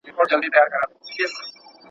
زهٔ په دې په هغې نۀ یم